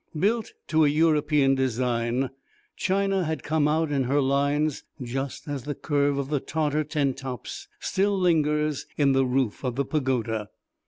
Built to a European design China had come out in her lines just as the curve of the Tartar tent tops still lingers in the roof of the pagoda.